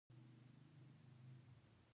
د غره خلک ډېر زړور دي.